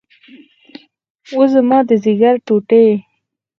اوه زما د ځيګر ټوټې.